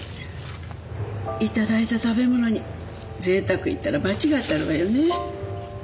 頂いた食べ物にぜいたく言ったら罰が当たるわよね。